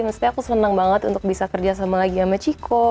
maksudnya aku senang banget untuk bisa kerjasama lagi sama ciko